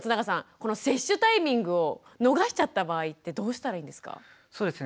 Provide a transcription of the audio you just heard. この接種タイミングを逃しちゃった場合ってどうしたらいいんですか？